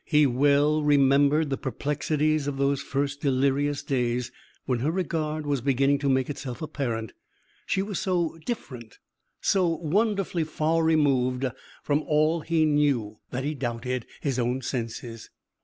He well remembered the perplexities of those first delirious days when her regard was beginning to make itself apparent. She was so different, so wonderfully far removed from all he knew, that he doubted his own senses.